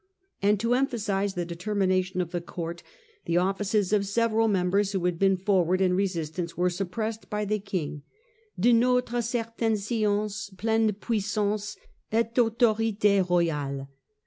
And to emphasise the determination of the court, the offices of several members who had been forward in resistance were suppressed by the King ' de notre certaine science, pleine puissance, et autorit6 royale.